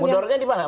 mudorotnya di mana